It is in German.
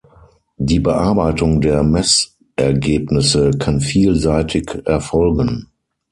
Die Bearbeitung der Messergebnisse kann vielseitig erfolgen.